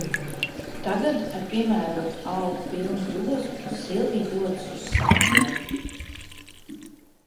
Tagad, ar piemērotu augu pilnu grozu, Silvija dodas uz Sātiem.